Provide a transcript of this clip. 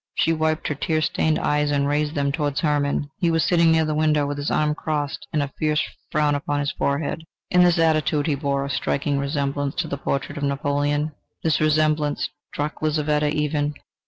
She wiped her tear stained eyes and raised them towards Hermann: he was sitting near the window, with his arms crossed and with a fierce frown upon his forehead. In this attitude he bore a striking resemblance to the portrait of Napoleon. This resemblance struck Lizaveta even.